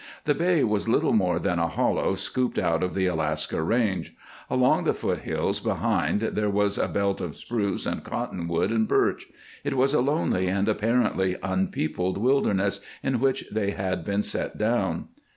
The bay was little more than a hollow scooped out of the Alaskan range; along the foot hills behind there was a belt of spruce and cottonwood and birch. It was a lonely and apparently unpeopled wilderness in which they had been set down.